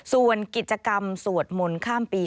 ส่วนกิจกรรมสวดมนต์ข้ามปี